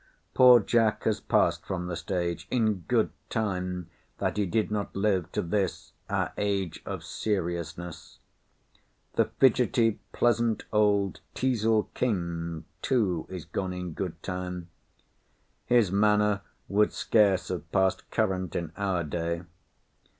Poor Jack has past from the stage in good time, that he did not live to this our age of seriousness. The pleasant old Teazle King, too, is gone in good time. His manner would scarce have past current in our day.